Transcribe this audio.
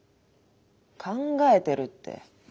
「考えてる」って。